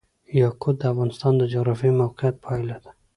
یاقوت د افغانستان د جغرافیایي موقیعت پایله ده.